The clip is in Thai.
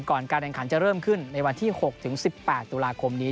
การแข่งขันจะเริ่มขึ้นในวันที่๖๑๘ตุลาคมนี้